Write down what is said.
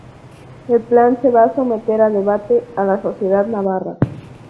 El plan se va a someter a debate a la sociedad navarra.